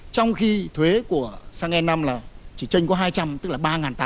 trong khi thuế của xăng e năm là chỉ tranh có hai trăm linh tức là ba tám